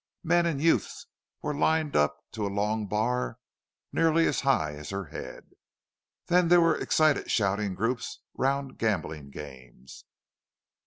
Men and youths were lined up to a long bar nearly as high as her head. Then there were excited shouting groups round gambling games.